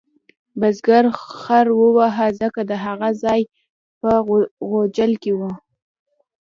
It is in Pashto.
بزګر خر وواهه ځکه د هغه ځای په غوجل کې و.